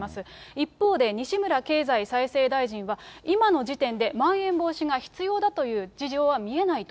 一方で、西村経済再生大臣は、今の時点でまん延防止が必要だという事情は見えないと。